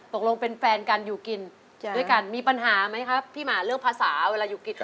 ตกลงเป็นแฟนกันอยู่กินด้วยกันมีปัญหาไหมครับพี่หมาเรื่องภาษาเวลาอยู่กินกัน